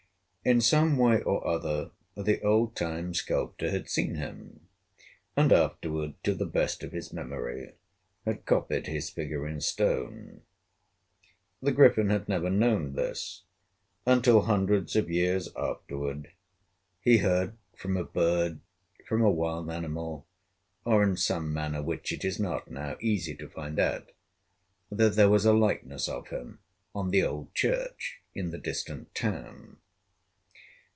In some way or other, the old time sculptor had seen him, and afterward, to the best of his memory, had copied his figure in stone. The Griffin had never known this, until, hundreds of years afterward, he heard from a bird, from a wild animal, or in some manner which it is not now easy to find out, that there was a likeness of him on the old church in the distant town.